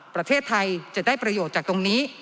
ประเทศไทยจะได้ประโยชน์จากตรงนี้